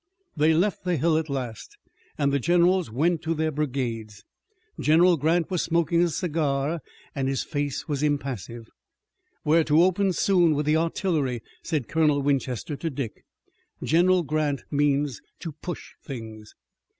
They left the hill at last and the generals went to their brigades. General Grant was smoking a cigar and his face was impassive. "We're to open soon with the artillery," said Colonel Winchester to Dick. "General Grant means to push things."